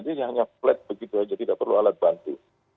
dia hanya flat begitu saja tidak perlu alat bantu